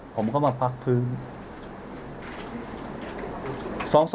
ผมก็มาพักพื้น